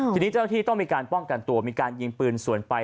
ทีนี้เจ้าที่ต้องมีการป้องกันตัวมีการยิงปืนสวนไป